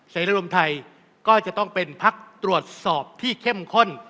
เสรรมไทยก็จะต้องเป็นพักตรวจสอบที่เข้มข้น